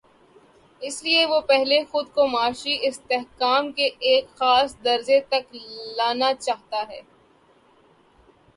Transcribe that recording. اس لیے وہ پہلے خود کو معاشی استحکام کے ایک خاص درجے تک لا نا چاہتا ہے۔